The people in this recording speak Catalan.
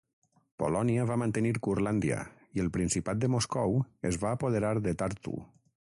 Polònia va mantenir Curlàndia i el Principat de Moscou es va apoderar de Tartu.